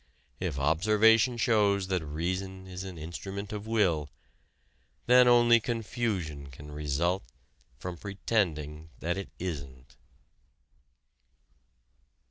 If observation shows that reason is an instrument of will, then only confusion can result from pretending that it isn't.